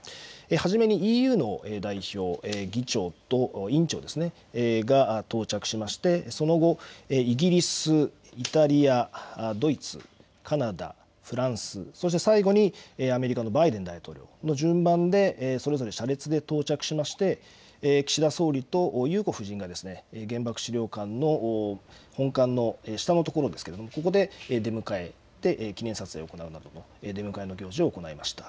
初めにＥＵの代表、議長と委員長が到着しましてその後、イギリス、イタリア、ドイツ、カナダ、フランス、そして最後にアメリカのバイデン大統領の順番でそれぞれ車列で到着しまして、岸田総理と裕子夫人が原爆資料館の本館の下の所、ここで出迎えて記念撮影を行う出迎えの行事を行いました。